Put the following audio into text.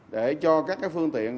để cho các phương tiện